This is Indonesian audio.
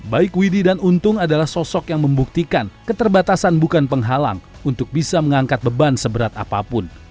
baik widhi dan untung adalah sosok yang membuktikan keterbatasan bukan penghalang untuk bisa mengangkat beban seberat apapun